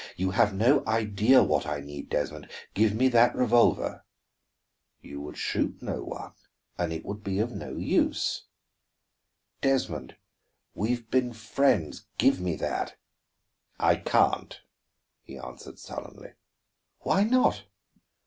"You have no idea what I need, Desmond. Give me that revolver." "You would shoot no one, and it would be of no use." "Desmond, we have been friends; give me that." "I can't," he answered sullenly. "Why not?"